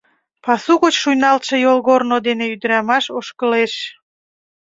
Пасу гоч шуйналтше йолгорно дене ӱдырамаш ошкылеш.